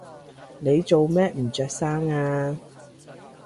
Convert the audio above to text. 你做咩唔着衫呀？